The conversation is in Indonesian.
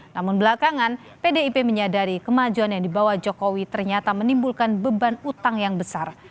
namun belakangan pdip menyadari kemajuan yang dibawa jokowi ternyata menimbulkan beban utang yang besar